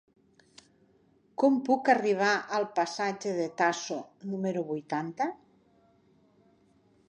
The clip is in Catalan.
Com puc arribar al passatge de Tasso número vuitanta?